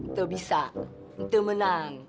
itu bisa itu menang